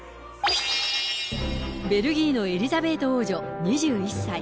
ベルギーのエリザベート王女２１歳。